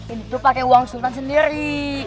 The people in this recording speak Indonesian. itu pake uang sultan sendiri